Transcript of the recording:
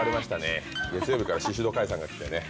月曜日から宍戸開さんが来てね。